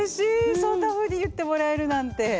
そんなふうに言ってもらえるなんて。